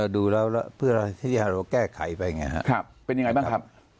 ดูแล้วเพื่อทฤษฎีฮารุแก้ไขไปไงครับ